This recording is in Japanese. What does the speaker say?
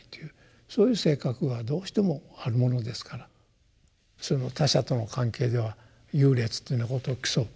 そういう性格がどうしてもあるものですから他者との関係では優劣というようなことを競う。